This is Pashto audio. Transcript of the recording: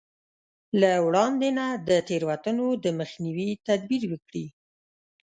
له وړاندې نه د تېروتنو د مخنيوي تدبير وکړي.